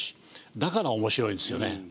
だから面白いんですよね。